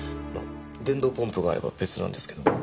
まあ電動ポンプがあれば別なんですけど。